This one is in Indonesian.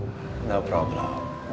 gak ada masalah